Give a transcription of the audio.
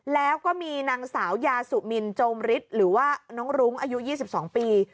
แล้วก็มีนางสาวยาสุมินโจมฤทธิ์หรือว่าน้องรุ้งอายุ๒๒ปี